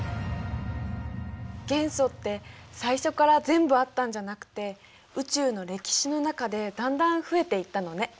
元素って最初から全部あったんじゃなくて宇宙の歴史の中でだんだん増えていったのね。